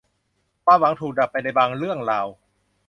ความหวังถูกดับไปในบางเรื่องราว